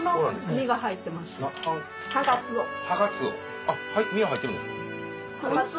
身は入ってるんですか？